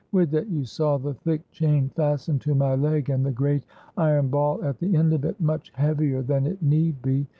Would that you saw the thick chain fastened to my leg, and the great iron ball at the end of it, much heavier than it need be